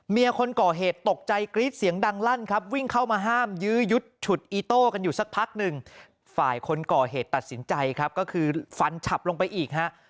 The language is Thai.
คนก่อเหตุตกใจกรี๊ดเสียงดังลั่นครับวิ่งเข้ามาห้ามยื้อยุดฉุดอีโต้กันอยู่สักพักหนึ่งฝ่ายคนก่อเหตุตัดสินใจครับก็คือฟันฉับลงไปอีกฮะ